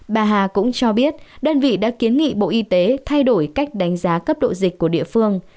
bà hà cũng cho biết đơn vị đã kiến nghị bộ y tế thay đổi cách đánh giá cấp độ dịch của địa phương